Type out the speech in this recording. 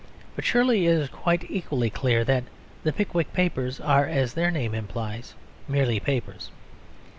But surely it is quite equally clear that the Pickwick Papers are, as their name implies, merely papers.